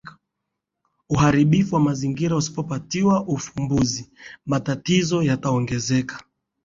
Uharibifu wa mazingira usipopatiwa ufumbuzi matatizo yataongezeka